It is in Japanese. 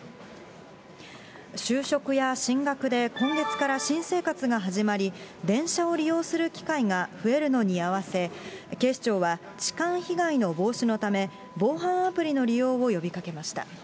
就職や進学で、今月から新生活が始まり、電車を利用する機会が増えるのに合わせ、警視庁は、痴漢被害の防止のため、防犯アプリの利用を呼びかけました。